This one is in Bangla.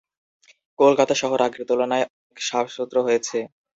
কলকাতা শহর আগের তুলনায় অনেক সাফসুতরো হয়েছে।